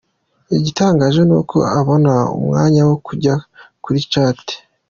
Igitangaje ni uko abona umwanya wo kujya Kuri chatt.